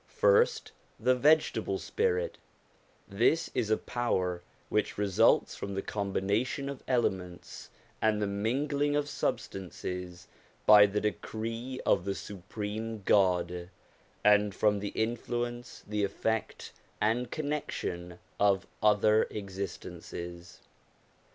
First the vegetable spirit : this is a power which results from the combination of elements and the mingling of substances by the decree of the Supreme God, and from the influence, the effect, and connection of other existences.